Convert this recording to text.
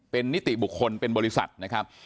เป็นนิติบุคคลเป็นบริษัทนะครับ